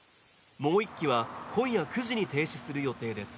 もう１基は今夜９時に停止する予定です。